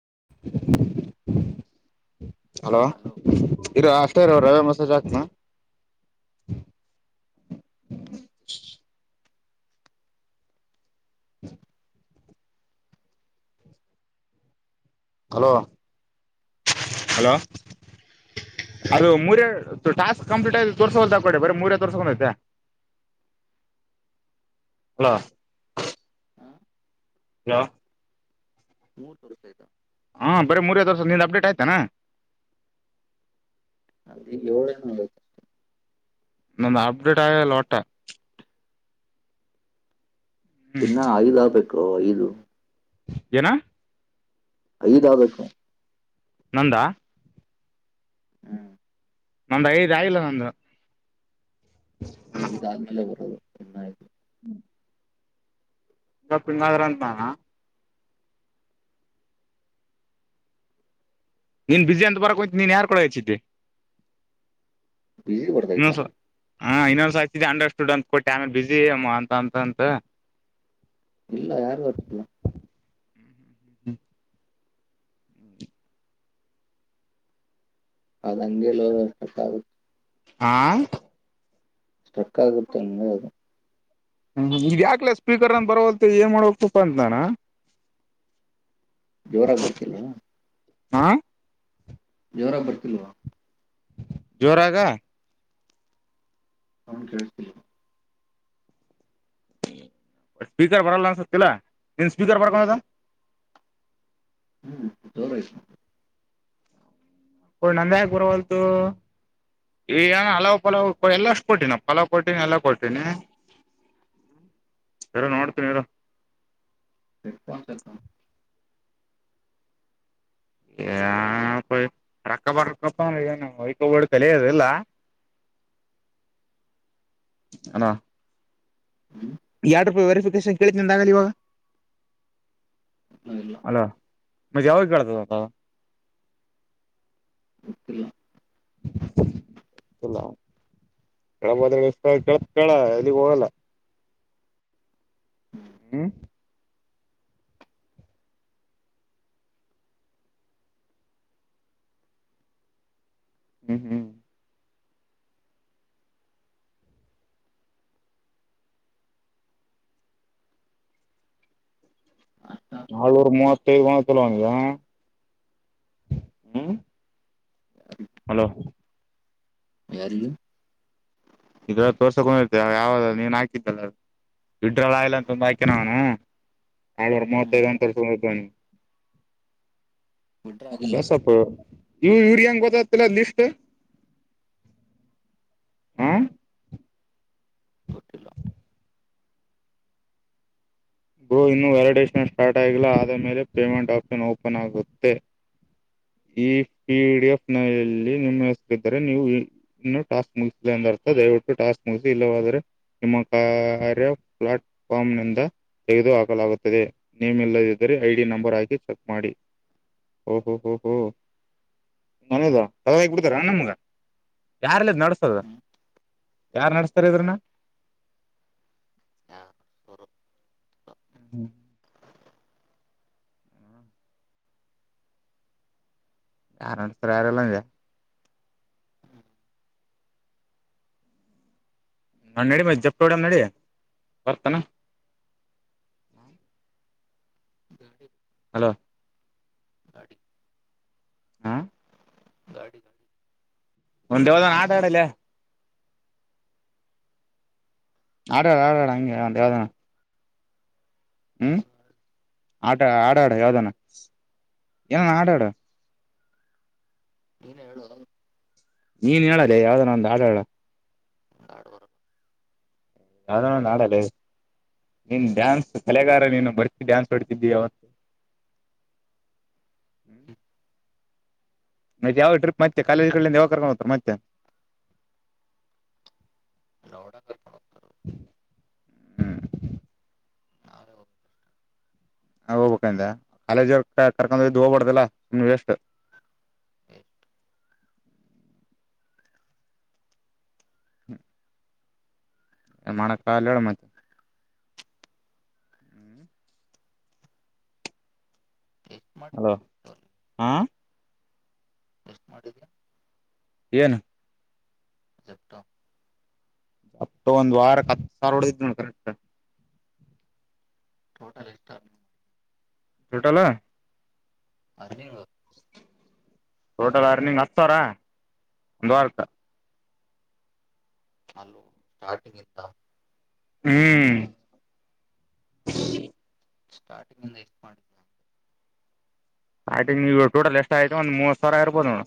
[unintelligible] Hello ಇರೋ ಅಷ್ಟೇ ಇರೋ [unintelligible] ಹ್ಮ ಹಲೋ ಹಲೋ ರವಿ ಅದು ಮಾಡಿದ ಮೂರರ ಟಾಸ್ಕ್ ಕಂಪ್ಲೀಟ್ ಆಯು ತೋರ್ರಿಸೋಲ್ದಕಡೆ ಬರೀ ಮೂರೇ ತೋರ್ಸ್ಕೊೊಂಡೈತೆ ಅಲೋ ಹಲೋ ಮೂರ್ ತರ್ಷ ಆಯ್ತಾ ಹಾ ಬರೀ ಮೂರದರ್ಸ ನಿಂದ ಅಪ್ಡೇಟ್ ಆಯ್ತಾನ ಅದೇ ಎಏಳ ನೋಡ ನಂದು ಅಪ್ಟೇಟ್ ಆಗ ಲೋಟ ಹ್ಮ್ ಇನ್ನ ಆಐದಪ ಐದು ಏನ ಐದಬೇಕು ನಂದ ಹ್ಮ್ ನಂದು ಐದು ಆಗಿಲ್ಲ ನಂದು ಚ್ತು [unintelligible] ಹ [inaudible] ಎಂತ ಪಿನ್ನಾದರ ನಾನ ನೀನ್ ಬಿಜ ಅಂತ ಬರಕೋಯ್ತಿ ನೀನ್ ಯಾರ್ ಕಡ ಹೆಚ್ಚತಿ ಬಜಲಿ ಬರ್ದಾಯ್ತಾ ಹಾ ಇನ್ನೊ್ಸ ಆಯತ ಅಂಡರ್ ಸ್ಟೂಡ್ ಅಂತ ಕೊಟ್ಟೆ ಆಮೇಲೆ ಬಿಸಿ ಅಂತ ಅಂತ ಅಂತ ಇಲ್ಲ ಯಾರು ಅಿಲ್ಲ ಹ್ಮ್ ಹ್ಮ್ ಹ್ಮ್ ಹ್ಮ್ ಹೌದ ಹಂಗೆಲ್ಲೋ ಸಕ್ಕ ಆಗುತ್ತೆ ಆಾ ಸ್ಟ್ರಕ್ಕ ಆಗಿ ಬಿಡ್ತೇ ಒಮ್ಮೆ ಅದು ಹ್ಮ್ ಈ ಯಾಕ್ಲ ಸ್ಪೀಕರ್ಂದ ಬರವ ಏನ್ ಮಾಡಬೇಕಪ್ಪಾ ಅಂತಣ್ಣಾ ಜೋರಾಗಿ ಬರ್ತಿಲ್ವಾ ಹಾ ಜೋರಾಗಿ ಬರ್ತಿಲ್ವಾ ಜೋರಾಗ ಅವನ್ ಕಳ್ತ ಸ್ಪೀಕರ್ ಬರಲ್ಲ ಅನಿಸುತ್ತಿಲ್ಲ ಸ್ಪೀಕರ್ ಬರಕದ ಹ್ಮ್ ಜೋರ ನಂದಾಯಕ್ ಬುರವಲ್ತು ಈಗ ಅಲಾವ್ ಪಲಾವ್ ಕೊಟಿನ್ ಎಲ್ಲ ಅಷ್ಟ್ ಕೊಟ್ಟೀನಿ ಅಲಾವ ಕೊಟ್ಟಿನಿ ಪಲಾವ್ ಕೊಟ್ಟೀನಿ ಎಲ್ಲಾ ಕೊತನಿ ಇರೋ ನೋಡ್ತನ ಇರು [unintelligible] [unintelligible] ಇಲ್ಲ ಹಲೋ ಹ್ಮ ಎರಡ್ ರೂಪಾಯಿ ವೆರಿಫಿಕೇಶನ್ ಕೇಳಿತ್ ನಂದಾಗಲಿ ಇವಾಗ ಇಲಾ ಅಲೋ ಮತ್ ಯಾವ ಕೆಳ್ತದಪ ಅದು ಗೊತ್ತಿಲ್ಲ ಗಲ್ಲ ಕೆಳಬದ್ರ ಕೆ ಕೇಳ ಎಲ್ಲಿಗ್ ಹೋಗಲ್ಲ ಹ್ಮ್ ಹ್ಮ್ ಹ್ಮ್ ಅಷ್ಟ ನಾಳೂರು ಮೂವತ್ತೈಐದು ಮಾ ತಿಲ್ಲವಾ ಅವನಿಗೆ ಹ್ಮ ಹಲೋ ಯಾರಿಗು ಇದ್ರ ತೋರ್ಸಕೊಂಡಿರ್ತ ಯಾವ ನೀನ್ ಹಾಕಿದ್ದಲ್ಲ ಇಡ್ರಲ್ಲ ಆಲ್ಲ ಅಂತಂದು ಹಾಕ್ಯನ ಅವನು ಆವರು ಹ್ಮ್ ಮೂವತ್ತೈದು ಗಂ ತೋರ್ಸ ಕತೈತಿ ಬಿಟ್ರೆ ಆಗಿಲ್ಲ ಬಸ ಅಪ್ಪ ಇವು ಯೂರಿಯಂಗ ಗೊತ್ತತಿಲ್ಲ ಲಿಷ್ಟ ಹಾ ಗೊತ್ತಿಲ್ಲ ಗೋ ಇನ್ನು ವ್ಯಾಲಿಡಷನ್ ಸ್ಟಾರ್ಟ್ ಆಗಿಲ್ಲ ಆದ ಮೇಲೆ ಪೇಮೆಂಟ್ ಆಪ್ಷನ್ ಓಪನ್ ಆಗುತ್ತೆ ಈ ಪಿ ಡಿಎಫ್ ನಲ್ಲಿ ನಿಮ್ಮಿದರೆ ನೀವು ಇನ್ನು ಟಾಸ್ಕ್ ಮುಗಿಸಂದರ್ಥ ದಯವಿಟ್ಟು ಟಾಸ್ಕ್ ಮುಗಿಸಿ ಇಲ್ಲವಾದರೆ ನಿಮ್ಮ ಕಾರ್ಯ ಪ್ಲಾಟ್ಫಾರ್ಮ್ ನಿಂದ ತೆಗೆದು ಹಾಕಲಾಗುತ್ತದೆ ನೇಮ್ ಇಲ್ಲದ್ದರೆ ಐ ಡಿ ನಂಬರ್ ಹಾಕಿ ಚೆಕ್ ಮಾಡಿ ಓಹೋ ಹೋ ಹೋ ನದ ಬಿಡ್ತಾರ ನಮ್ಗ ಯಾರಲ್ಲ ನಡಸ್ತದ ಹ್ಮ್ ಯಾರ್ ನಡೆಸ್ತಾರ ಇದ್ರನ ಯಾರು [unintelligible] ಯಾರಡುಸರ ಯಾರೆಲ್ಲ ನಾ ನಡಿ ಮ ಜಪ್ತೋಡಮ್ಮ ನಡಿ ಬರ್ತಾನ ಗಡಿ ಹಲೋ ಗಾಡಿ ಹ ಗಾಡಿ ಗಾಡಿ ಒಂದೇದನ್ ಆಟ ಆಡ ಲೆ ಆಡಾಡ ಆಡಾಡ ಹಂಗ ಯಾವ್ದಾನ ಹ್ಮ್ ನೀನ್ ಆ ಆ ಆಡಾ ಆಡ ನೀನ್ ಯಾವ್ದಾನ ಏನ ಹಾಡಾಡು ನೀನೆ ಹೇಳು ನೀನ್ ಹೇಳದೆ ಯಾವ್ದಾರ ಒಂದು ಹಾಡ ಹೆಳ ಗಾಡ್ ಬರಲ್ಲ ಯಾದರ ಹಾಡಲ್ಲೆ ನೀನ್ ಡ್ಯಾನ್ಸ್ ಕಲೆಗಾರ ನೀನು ಬರ್ತ ಡ್ಯಾನ್ಸ್ ಹೊಡ್ತಿದ್ದಿಯ ಯಾವತ್ತು ಹ್ಮ ಮತ್ತೆ ಯಾವ ಟ್ರಿಪ್ ಮತ್ತೆ ಕಾಲೇಜ ಕಡೆ ಯಾವಗ ಕರ್ಕೊಂಡು ಹೋಗ್ತಾರೆ ಮತ್ತೆ [unintelligible] ಹ್ಮ್ ನಾವೇ ಹೋಗ್ಬೇಕು ಹೋಗ್ಬೇಕಂದ ಕಾಲೇಜ್ ಕರ್ಕೊಂಡ ಇದ್ದು ಹೋಗ್ಬಾರ್ದಲ್ಲ ಸುಮ್ ವೆಷ್ಟು ಎಷ್ಟ್ ಹ್ಮ ಮಾಡಕ್ಲ್ ಹೇಳ ಮತ್ತೆ ಎಷ್ಟ್ ಹಲೋ ಮಾಡಿದ್ಯಾ ಜೆಪ್ಟೋ ಹಾ ಎಷ್ಟು ಮಾಡಿದ ಏನು ಜೆಪ್ಟೋ ಅಪ್ಪ ಒಂದು ವಾರ ಕ ಹತ್ತು ಸಾರೋಡ ಇದ್ ನ ಕರೆಟ್ ಟೋಟಲ್ ಇಷ್ಟ ಟೊಟಲ್ಲ ಅ ನೀವು ಟೋಟಲ್ ಅರ್ನಿಂಗ್ ಹತ್ತಾರ ಒಂದು್ ವಾರ ಹಲ ಸ್ಟಾರ್ಟಿಂಗ್ ಇಂತ ಹ್ಮ್ ಸ್ಟಾರ್ಟಿಂಗ್ ಎಷ್ಟ ಮಾಡಿದ್ದ ಆಟಂಗ ನೀವು ಟೋಟಲ್ ಎಷ್ಟ ಆಯ್ತು ಒಂದ್ ಮೂವತ್ ಸಾವಿರ ಇರ್ಬೋದು ನೋಡ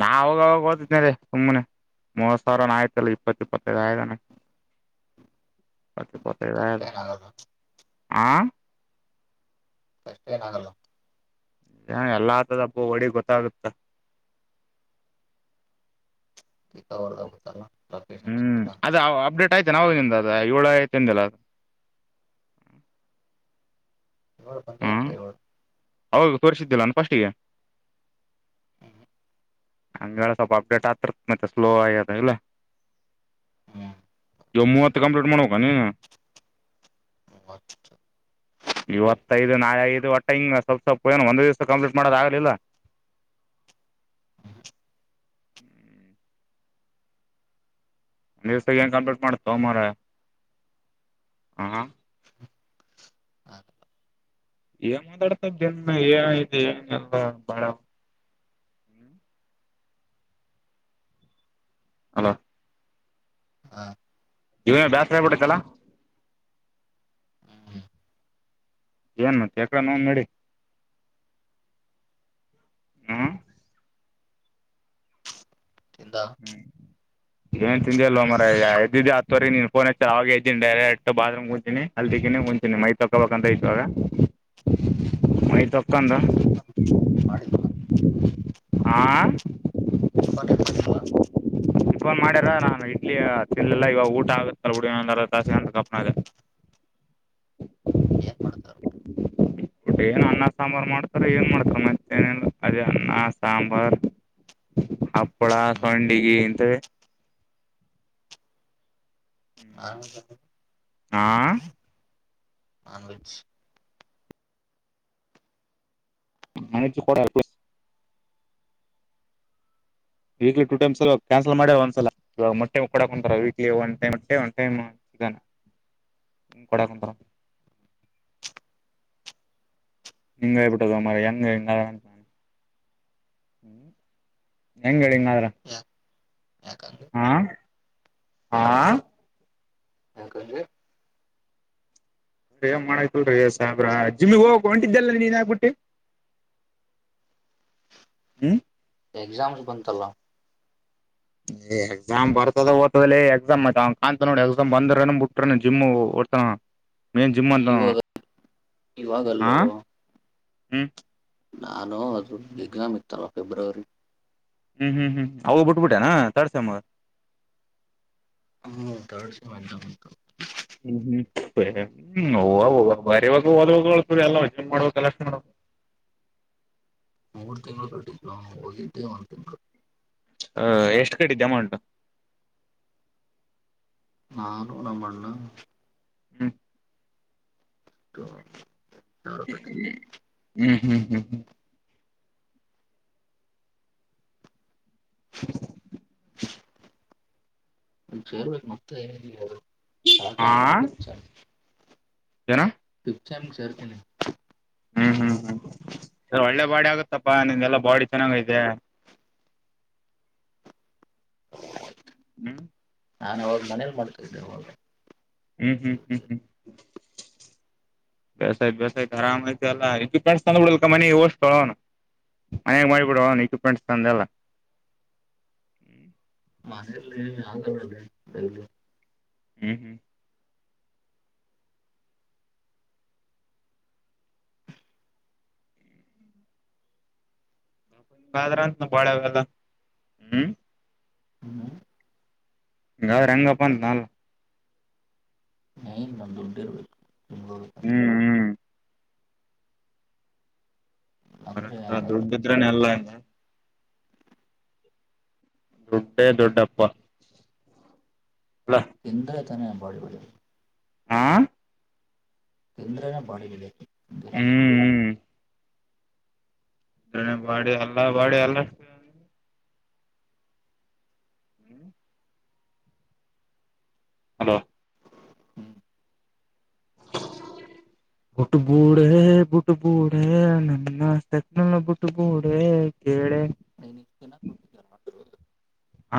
ನಾ ಅವಾಗವಾಗ ಹ್ಮ್ ಓದಿದ್ನ ಸುಮ್ಮ್ನೆ ಮೂವತ್ ಸಾವಿರಾನ ಆಯ್ತಲ್ಲ ಇಪ್ಪತ್ತ ಇಪ್ಪತ್ತೈದು ಆಯತಾನ ಅತ್ತೆ ಪತ್ತ ಕಷ್ಟ ಬದ ಏನಾಗಲ್ಲ ಆ ಕಷ್ಟ ಏನಾಗಲ್ಲ ಎಲ್ಲ ಆತದ ಅಪ್ಪ ಹೊಡಿ ಗೊತ್ತಾಗುತ್ತ ಅವದಾಗತ್ತಲ್ಲ ಹ್ಮ್ ಅದ ಅಪ್ಡೇಟ್ ಆಯ್ತ ನಾವ ನಿಿಂದ ಅದ ಏಳು ಆಯ್ತಿಂದಿಲ್ಲ ಅ ಏಳು ಹಾಞ ಬಂದೈತೆ ಏಳು ಅವಾಗ ತೋರಿಸಿದ್ದಿಲ್ಲಾನ ಫಸ್ಟಿಗೆ ಹ್ಮ್ ಹಂಗ ಸ್ವಲ್ಪ ಅಪ್ಡೇಟ್ ಆಗ್ತರ್ ಮತ್ತೆ ಸ್ಲೋ ಆಗ್ಯದ ಇಲ್ಲ ಹ್ಮ ಜಮ್ಮು ಅತ್ತು ಕಂಪ್ಲಿೀಟ್ ಮಾಡೋಕನ ್ಮ ಇದು ನಾ ಇದು ಒಟ್ಟ ಹಿಂಗ ಸ್ವಲ್ಪ ಸ್ವಲ್ಪ ಏನು ಒಂದ್ ದಿವ್ಸ ಕಂಪ್ಲೀಟ್ ಮಾಡೋದ ಆಗಲಿಲ್ಲ [inaudible] ಒ ದಿವಸ ಏನ್ ಕಂಪ್ಲೀಟ್ ಮಾಡ್ತವೆ ಮರ ಹ ಹ ಏನ್ ಮಾತಾಡ್ತ ಜನ್ ಏಐತಿ ಂಗ ಎಲ್ಲ ಬಾಳ ಅಲ ಹಾ ಜವ ಬ್ಯಾಸ್ ಸಪಡ ಚಲ ಹ್ಮ್ ನ್ ಚೆಕ ನ ನ ಹ್ಮ ತಿಂದ ಹ್ಮ್ ಏನ್ ತಿಂದಿ ಅಲ್ವ ಮರ ಎದ್ದಿದ್ದಿ ಆತ್ತರಿ ನೀನ್ ಫೋನ್ ಹಚ್ಚ ಆೆ ಇದ್ದೀನಿ ಡೈರೆಕ್ಟ್ ಬಾತ್ರೂಮ್ೂಂಂತೀಿನಿ ಅಲ್ದಕ್ಕಿನಿ ಉಂಂತೀನಿ ಮೈ ತೊಕೋಬೇಕಂತ ಇತ್ತು ಆಾಗ ಮೈ ತ ಮಾಡ ಆಂ ಟಿಫಾನ್ ಏನ್ ಮಾಡಿದ್ವಾ ಇ ಮಾಡ್ಯಾರ ನಾನು ಇಡ್ಲಿ ತಿನ್ಲ್ಲಾ ಇವಾಗ ಊಟ ಆಗುತ್ತಲ್ುಡಿ ತಾಸಂತ ಕಪ್ನ ಏನ್ ಮಾಡತಾರೆ ಟ್ಟ ಏನ್ ಅನ್ನ ಸಾಂಬಾರ್ು ಮಾಡ್ತಾರ ಏನ್ ಮಾಡ್ತಾರ ಮತ್ತೆ ಏನ ಅದೇ ಅನ್ನ ಸಾಂಬಾರ್ ಹಪ್ಪಳ ಹ್ಮ್ ಸಂಡಗಿ ಇಂತ ಹ ಆಾ ಅಜ ಮಾನು ಕ ವೀಕ್ಲಿ ಟೂ ಟೈಮ್ಸ್ ಕ್ಯಾನ್ಸಲ್ ಮಾಡ ಒಂದ್ಸಲ ಇವಾಗ ಮೊಟ್ಟೆ ಕೊಡಾಕೊಂತಾರ ವೀಕ್ಲಿ ಒನ್ಟೈಮ್ ಮೆ ಒಟೈಮ್ ಕೊಡಾಕೊಂತಾರ ನಿಂಗೇ ಬಿಟ್ಟ ಮ್ರಂಗಂಗ್ಮಂಗಂಗಾದರ ಯಾಕೆ ಯಾಕಂದ್ರೆ ಹಾ. ಹಕ್ರೆ. [inaudible] ಏನ ಮಾಡ್ತಲ್ರಿ ಸಾಹೇಬ್ರ ಜಿಮ್ಮಿಗ ಹೋಗ ಹೊಂಟಿದ್ದಲ್ಲ ನೀನ್ ಯಾಕ ಬಿಟ್ಟಿ ಹ್ಮ್. ಎಕ್ಸಾಮ್ಸ್ ಬಂತಲ್ಲ. ಏ ಎಕ್ಸಾಮ್ ಬರ್ತದ ಹೋಗ್ದತದಲೆ ಎಕ್ಸಾಮ್ ಆಯತ ಕಾಣಂತ ನೋಡಿ ಎಕ್ಸಾಮ್ ಬಂದ್ರ ಏನ್ ಬಿಟ್ರ ಏನ್ ಜಿಮ್ ಓಡ್ತನ. ಮೇನ ಜಿಮ್ಮಂತ ಇವಾಗ ಆವ. ಇವಾಗಲ್ಲೂ ಹ್ಮ್. ನಾನು ಅದು ಎಕ್ಸಾಮ್ ಇತ್ತಲ್ಲ ಫೆಬ್ರವರಿ. ಹ್ಮ್ ಹ್ಮ್ ಹ್ಮ್ ಅವು ಬಿಟ್ಬಿಟ್ಟೆ ಏನ್ ಥರ್ಡ್ ಸೆಮ್. ಹ್ಮ ಥರ್ಡ್ ಸೆಮ್ ಎಕ್ಸಾಮ್ಸ್ ಇದ್ದು. ಹ್ಮ್ ಹ್ಮ್ ಹ್ಮ್ ಹವ ಹ ಬರವಾಗ ಹೋದವಾಗತದೆ ಅಲ್ಲ ಜಿಮ್ ಮಾಡುವ ಕೆಲಸ ಮಾಡ. [inaudible] ಮೂರು ತಿಂಗಳು ಕಟ್ಟಿದ್ದೆ ಹೋಗಿದ್ದೆ ಒಂದು ತಿಂಗಳ. ಹಹ ಎಷ್ಟು ಕಟ್ಟಿದ್ದಿ ಅಮೌಂಟ್. ನಾನು ನಮ್ಮ ಅಣ್ಣಾ. ಹ್ಮ. ಹ. ಹ್ಮ್ ಹ್ಮ್. ಹ್ಮ್ ಹ್ಮ್ ಹ್ಮ. ಹ್ಮ್. ಸರ್ಬೆಕ್ ಮತ್ತ ಯಾರ. ಆ ಸ್ಟಾರ್ಟ್. [inaudible] ಏನ. [inaudible] ಸೇರ್ತಿನಿ. ಹ್ಮ್ ಹ್ಮ್ ಹ್ಮ್ ಒಳ್ಳೆ ಬಾಡಿ ಆಗತ್ತಪ್ಪಾ ನಿಂದೆಲ್ಲಾ ಬಾಡಿ ಚೆನ್ನಾಗೈತೆ. ಹ್ಮ್. ನಾನ ಅವಾಗ ಮನೇಲಿ ಮಾಡ್ತಿದ್ದೆ ಅವಾಗ. ಹ್ಮ್ ಹ್ಮ್ ಹ್ಮ್ ಹ್ಮ್. ಬೇಸಾಯ್ತ್ ಬೇಸಾಯ್ತ ಆರಾಮ ಆತ ಎಲ್ಲ ಇಕ್ವಿಪ್ಮೆಂಟ್ಸ್ ತಂದ್ ಬಿಡ್ಲ್ಕ ಮನೆಗೆ ಒಷ್ಟು ಅವನು ಮನ್ಯಾಗ ಮಾಡಿಬಿಡ ಅವನು ಇಕ್ವಿಪ್ಮೆಂಟ್ಸ್ ತಂದ ಎಲ್ಲ ಹ್ಮ. ಮನೆಲ್ಲಿ [inaudible] ಆಂಧ್ರವಾಡ್ ಬೆಂಗಳೂರು ಹ್ಮ್ ಹ್ಮ್. ಬಾಜಾರಂತ ನ ಬಳಾವಲ್ಲ ಹ್ಮ್ [unintelligible] ಹ್ಮ್. ಹಿಂಗ್ ಆದ್ರ ಹೆಂಗಪ್ಪ ಅಂತ ನಾನ್. ಮೇನ್ ಒಂದು ದುಡ್ಡು ಇರ್ಬೇಕು. [inaudible] ಹ್ಮ್ ಹ್ಮ್ ಅಂದ್ರೆ ದುಡ್ಡಿದ್ರೆನೆ ಎಲ್ಲಾ. ಹಾ. ದುಡ್ಡೇ ದೊಡ್ಡಪ್ಪ. ಅಲ್ಲ ಎಂತ. ಬಾಲಿವುಡ್. ಆ. ಅಂದ್ರನ ಬಾಡಿ ಗಿಡಿ. ಹ್ಮ್ ಹ್ಮ್. ಅ ಬಾಡಿ ಅಲ್ಲ ಬಾಡಿ ಅಲ್ಲ ಹ್ಮ್ [inaudible] ಹಲೋ ಹ್ಮ್ [inaudible] ಬುಟ್ ಬೂಡೆ ಬುಟ್ ಬೂಡೆ ನನ್ನ ಸಕ್ನಲ್ಲ ಬುಟ್ಬೂಡೆ ಕೇಳೆ ನ ನಿ ಕೊಟ್ಟ [inaudible]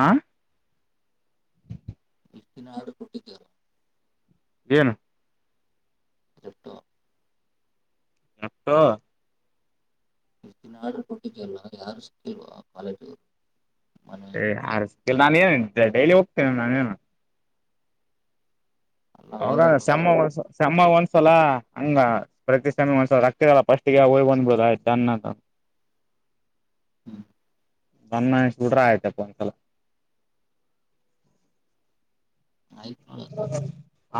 ಆ ಇನ ಆಡು ಪುಟ್ಟಿ ತ ಏನು ಜತೋ [inaudible] [unintelligible] ಇ ದಿನ ಆಡ್ರ ಕೊಟ್ಟಿದ್ಯಲ್ಲ ಯಾರು ಸಿತಿಲ್ವಾ ಕಾಲೇಜವರು [unintelligible] ಇಲ್ಲ ನಾನು ಏನು ಡೈಲಿ ಹೋಗ್ತೇನೆ ನಾನೇನು ಅಲ್ಲ ಅವಾಗೆಲ್ಲ ಯಾವಾಗ ಶಮ್ಮ ಗೊತ್ತಿದ್ದು ಒಸಮ್ಮ ಒಂದಸ ಒಂದ್ಸಲ ಹಂಗ ಪ್ರತಿ ಸಯಿ ಒಂದ್ಸಲ ರಕ್ತಿರಲ್ಲ ಫಸ್ಟ ಹೋಗ್ ಬಂದ್ಬ ಬಿಡು ಆಯ್ತು ಅನ್ನ ಹ್ಮ್ [inaudible] ಬಣ ಹಡ್ರ ಆಯ್ತಪ್ಪ ಒಂದ್ಸಲ ಆಯ್ತ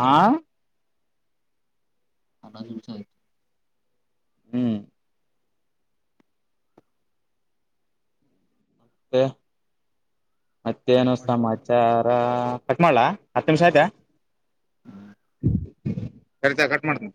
ಆ ಅನ್ನ ಉಸ [inaudible] ಹ್ಮ್ ಹ ಕಟ್ ಮತ್ತೇನು ಮಾಡು ಸಮಾಚಾರ ಕಟ್ ಮಾಡ್ಲಾ ಹತ್ತು ನಿಮಿಷ ಆಯ್ತಾ ಹ್ಮ್ [inaudible] ಕಟ್ ಮಾಡನ